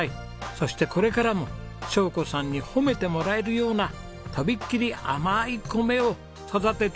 そしてこれからも晶子さんに褒めてもらえるようなとびきり甘い米を育てていってください。